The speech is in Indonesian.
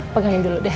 pegangin dulu deh